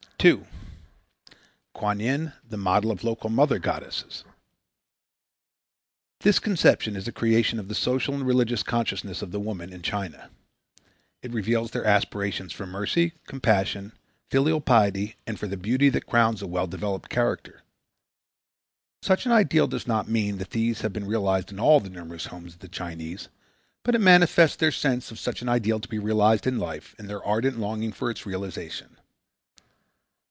2. Kuan Yin, the Model of Local Mother Goddesses This conception is the creation of the social and religious consciousness of the women in China. It reveals their aspirations for mercy, compassion, filial piety and for the beauty that crowns a well developed character. Such an ideal does not mean that these have been realized in all the numerous homes of the Chinese, but it manifests their sense of such an ideal to be realized in life and their ardent longing for its realization.